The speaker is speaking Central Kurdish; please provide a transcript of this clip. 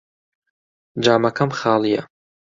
جامەکەم خاڵییە.